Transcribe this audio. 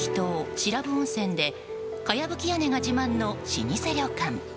白布温泉でかやぶき屋根が自慢の老舗旅館。